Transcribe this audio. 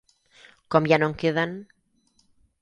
Com ja no en queden.